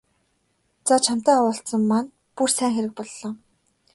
За чамтай уулзсан маань бүр сайн хэрэг боллоо.